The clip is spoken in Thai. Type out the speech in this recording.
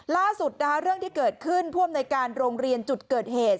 ล่าสุดนะคะเรื่องที่เกิดขึ้นผู้อำนวยการโรงเรียนจุดเกิดเหตุ